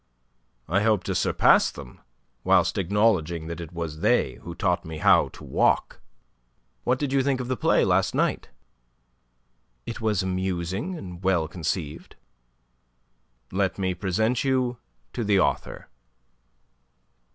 "I hope to surpass them, whilst acknowledging that it was they who taught me how to walk. What did you think of the play last night?" "It was amusing and well conceived." "Let me present you to the author."